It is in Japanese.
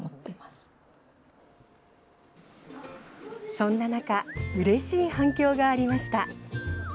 そんな中うれしい反響がありました。